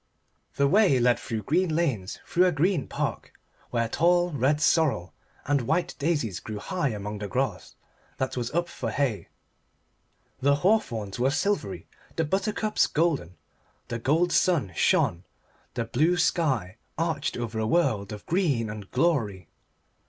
The way led through green lanes through a green park, where tall red sorrel and white daisies grew high among the grass that was up for hay. The hawthorns were silvery, the buttercups golden. The gold sun shone, the blue sky arched over a world of green and glory.